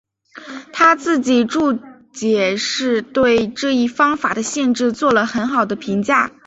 他自己注解是对这一方法的限制做了很好的评价。